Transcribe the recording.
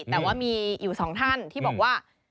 แต่ว่ามีอยู่สองท่านที่บอกว่า